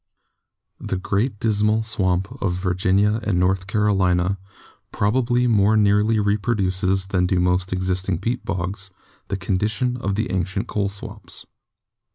The Great Dismal Swamp of Virginia and North Caro lina probably more nearly reproduces than do most exist ing peat bogs the conditions of the ancient coal swamps.